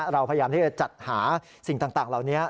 เราพยายามที่จะจัดหาสิ่งต่างเหล่านี้